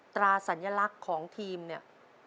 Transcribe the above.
ตราสัญลักษณ์ของทีมเนี่ย